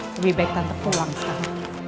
lebih baik tanpa pulang sekarang